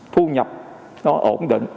thu nhập nó ổn định